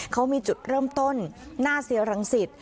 เขามีจุดเริ่มต้นหน้าเซียรังสิต